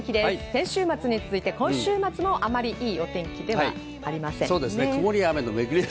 先週末に続いて今週末もあまりいいお天気ではありません。